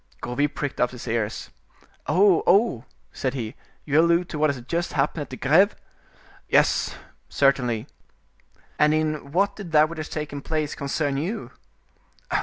'" Gourville pricked up his ears. "Oh, oh!" said he, "you allude to what has just happened at the Greve?" "Yes, certainly." "And in what did that which has taken place concern you?"